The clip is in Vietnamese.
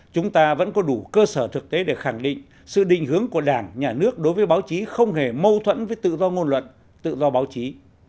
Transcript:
chúng ta vẫn có đủ cơ sở thực tế để khẳng định sự định hướng của đảng nhà nước đối với báo chí không hề mâu thuẫn với tự do ngôn luận tự do báo chí